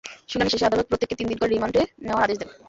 শুনানি শেষে আদালত প্রত্যেককে তিন দিন করে রিমান্ডে নেওয়ার আদেশ দেন।